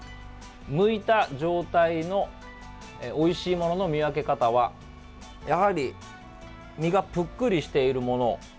むいた状態のおいしいものの見分け方はやはり身がぷっくりしているもの。